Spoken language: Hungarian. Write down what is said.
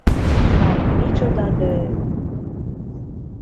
A Micsoda nő!